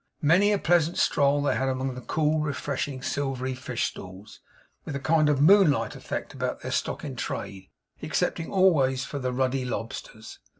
Many a pleasant stroll they had among the cool, refreshing, silvery fish stalls, with a kind of moonlight effect about their stock in trade, excepting always for the ruddy lobsters.